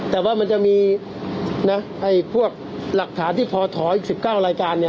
แต่ว่ามันจะมีพวกหลักฐานที่พอถอยอีก๑๙รายการ